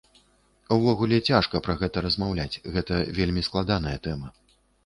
Увогуле, цяжка пра гэта размаўляць, гэта вельмі складаная тэма.